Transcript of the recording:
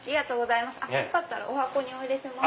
よかったらお箱にお入れします。